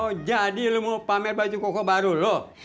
oh jadi lu mau pamer baju koko baru loh